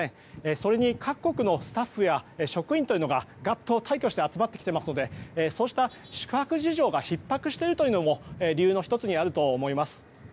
それに各国のスタッフや職員が大挙して集まってきていますのでそうした宿泊事情がひっ迫しているのも理由の１つにあると思います。